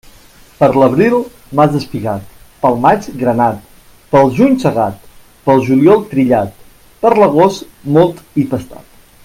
Per l'abril, blat espigat; pel maig, granat; pel juny, segat; pel juliol, trillat; per l'agost, mòlt i pastat.